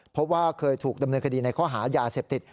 เพราะว่าเคยถูกดำเนินคดีในข้อหายาเสพติด